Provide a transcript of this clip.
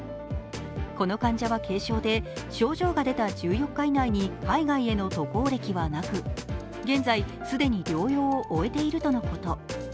この患者は軽症で症状が出た１４日以内に海外への渡航歴はなく現在、既に療養を終えているとのこと。